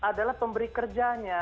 kita adalah pemberi kerjanya